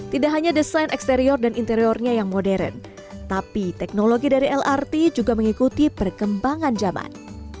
tidak hanya desain eksterior dan interiornya yang modern tapi teknologi dari lrt juga mengikuti perkembangan zaman